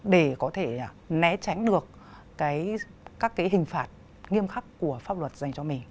để có thể né tránh được các cái hình phạt nghiêm khắc của pháp luật dành cho mình